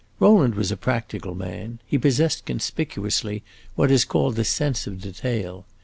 Rowland was a practical man; he possessed conspicuously what is called the sense of detail.